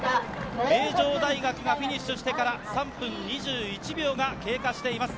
名城大学がフィニッシュしてから３分２１秒が経過しています。